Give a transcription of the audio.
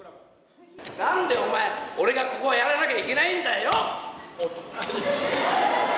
なんでお前、俺がここでやらなきゃいけないんだよ！